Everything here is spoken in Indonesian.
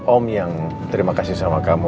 om yang terima kasih sama kamu